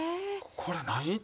「これ何？」